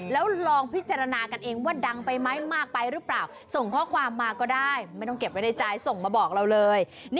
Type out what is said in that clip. แล้วลองพิจารณากันเองว่าดังไปไหมมากไปหรือเปล่าส่งข้อความมาก็ได้ไม่ต้องเก็บไว้ในใจส่งมาบอกเราเลย